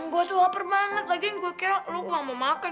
gue tuh lapar banget lagi gue kira lo gak mau makan